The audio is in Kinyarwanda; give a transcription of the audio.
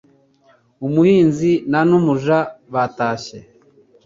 umuhinzi na numuja batashye,